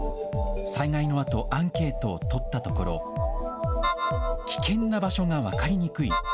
災害のあと、アンケートをとったところ、危険な場所が分かりにくい。